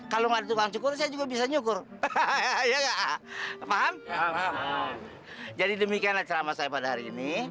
kalau nggak cukup saya juga bisa nyukur hahaha paham jadi demikian acara saya pada hari ini